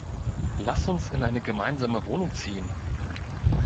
Lass uns in eine gemeinsame Wohnung ziehen!